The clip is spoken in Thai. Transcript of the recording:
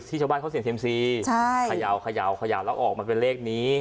ที่ชาวบ้านเขาเสียงเซ็มซีใช่ขยาวขยาวขยาวแล้วออกมันเป็นเลขนี้